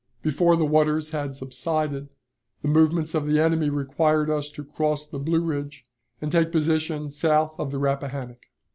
Before the waters had subsided, the movements of the enemy required us to cross the Blue Ridge and take position south of the Rappahannock.